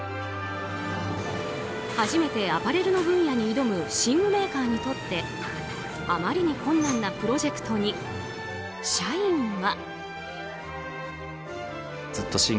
初めてアパレルの分野に挑む寝具メーカーにとってあまりに困難なプロジェクトに社員は。